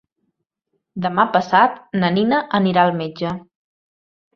Demà passat na Nina anirà al metge.